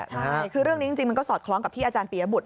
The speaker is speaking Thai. ใช่คือเรื่องนี้จริงมันก็สอดคล้องกับที่อาจารย์ปียบุตร